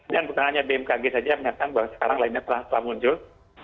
dan bukan hanya bmkg saja yang menyatakan bahwa sekarang lainnya telah muncul